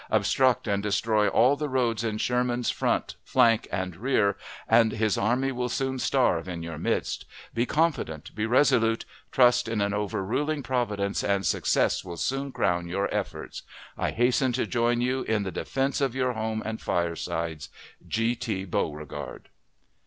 Obstruct and destroy all the roads in Sherman's front, flank, and rear, and his army will soon starve in your midst. Be confident. Be resolute. Trust in an overruling Providence, and success will soon crown your efforts. I hasten to join you in the defense of your homes and firesides. G. T. BEAUREGARD.